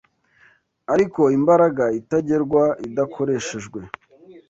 ariko imbaraga itagerwa idakoreshejwe